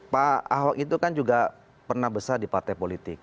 pak ahok itu kan juga pernah besar di partai politik